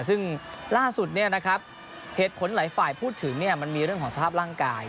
ซึ่งล่าสุดเหตุผลหลายฝ่ายพูดถึงมันมีเรื่องของสภาพร่างกาย